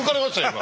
今。